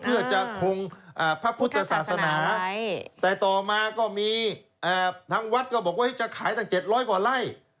เพื่อจะคงพระพุทธศาสนาแต่ต่อมาก็มีทางวัดก็บอกว่าจะขายตั้ง๗๐๐กว่าไร่